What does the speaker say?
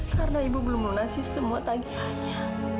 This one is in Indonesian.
karena ibu belum melunasi semua tagihannya